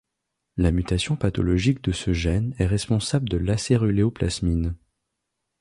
La mutation pathologique de ce gène est responsable de l'acéruléoplasmine.